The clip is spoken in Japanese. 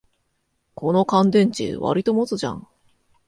この乾電池、わりと持つじゃん